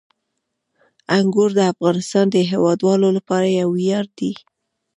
انګور د افغانستان د هیوادوالو لپاره یو ویاړ دی.